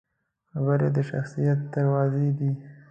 خبرې د شخصیت دروازې دي